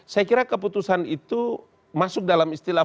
saya kira keputusan itu masuk dalam istilah